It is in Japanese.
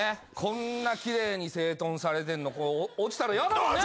こんな奇麗に整頓されてんの落ちたら嫌だもんね。